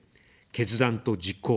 決断と実行。